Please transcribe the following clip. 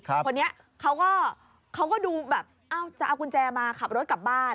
คนนี้เขาก็เขาก็ดูแบบเอ้าจะเอากุญแจมาขับรถกลับบ้าน